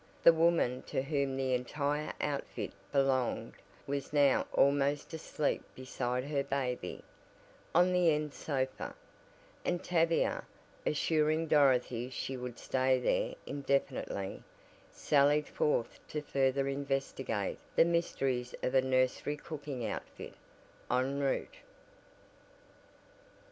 The woman to whom the "entire outfit" belonged was now almost asleep beside her baby, on the end sofa, and Tavia assuring Dorothy she would stay there indefinitely, sallied forth to further investigate the mysteries of a nursery cooking outfit, en route.